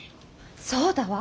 そうだわ。